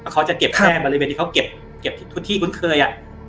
เขาจะเก็บแค่บริเวณที่เขาเก็บทุกที่คุ้นเคย